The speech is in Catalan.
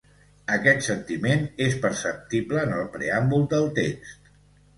Aquest sentiment és perceptible en el preàmbul del text.